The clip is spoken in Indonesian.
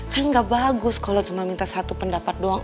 kan gak bagus kalau cuma minta satu pendapat doang